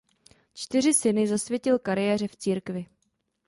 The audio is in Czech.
Čtyři syny zasvětil kariéře v církvi.